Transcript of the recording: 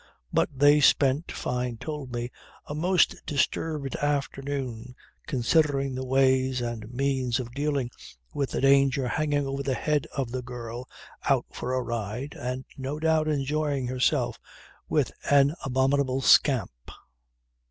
But they spent, Fyne told me, a most disturbed afternoon, considering the ways and means of dealing with the danger hanging over the head of the girl out for a ride (and no doubt enjoying herself) with an abominable scamp.